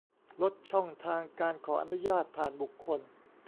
ลดช่องทางการขออนุญาตผ่านบุคคล